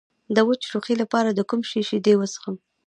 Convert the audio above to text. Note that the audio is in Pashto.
د وچ ټوخي لپاره د کوم شي شیدې وڅښم؟